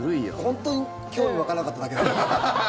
本当に興味湧かなかっただけだと。